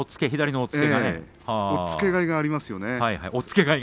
押っつけがいがありますよね。